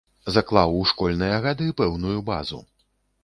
Заклаў у школьныя гады пэўную базу.